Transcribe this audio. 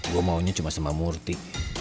gue maunya cuma sama murti